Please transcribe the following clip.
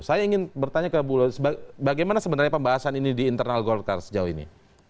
saya ingin bertanya ke bu los bagaimana sebenarnya pembahasan ini di internal golkar sejauh ini